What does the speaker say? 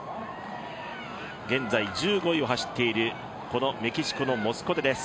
現在、１５位を走っているメキシコのモスコテです。